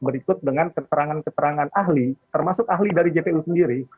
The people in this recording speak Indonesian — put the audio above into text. berikut dengan keterangan keterangan ahli termasuk ahli dari jpu sendiri